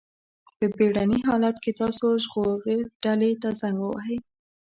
په بېړني حالت کې تاسو ژغورډلې ته زنګ ووهئ.